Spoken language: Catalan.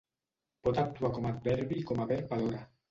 Pot actuar com a adverbi i com a verb alhora.